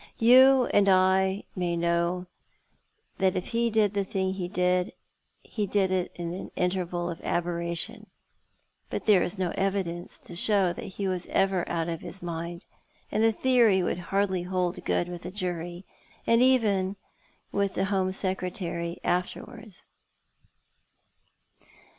You and I may know that if he did the Ihing he did it in an interval of aberration ; but there is no evidence to show that he was ever out of his mind, and the theory would hardly hold good with a jury, or even with the Home Secretary afterwards."